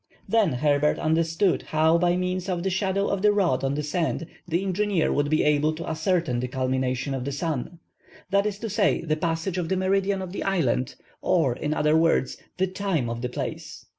Then Herbert understood how by means of the shadow of the rod on the sand, the engineer would be able to ascertain the culmination of the sun, that is to say, its passage of the meridian of the island, or, in other words, the time of the place.